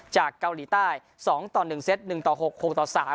จากเการีใต้สองต่อหนึ่งเซ็ตหนึ่งต่อหกหกต่อสาม